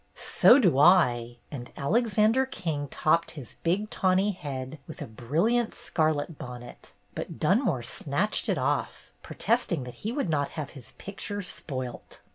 "So do I!'' And Alexander King topped his big tawny head with a brilliant scarlet bonnet; but Dunmore snatched it off, pro testing that he would not have his picture spoilt.